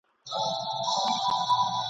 دا تُرابان دی د بدریو له داستانه نه ځي ..